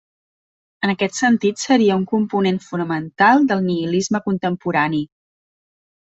En aquest sentit seria un component fonamental del nihilisme contemporani.